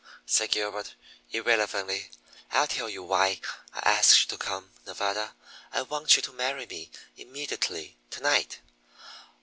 said Gilbert irrelevantly. "I'll tell you why I asked you to come, Nevada. I want you to marry me immediately to night.